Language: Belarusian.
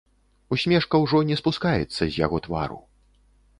Усмешка ўжо не спускаецца з яго твару.